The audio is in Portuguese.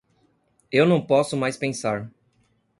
Eu não posso mais pensar.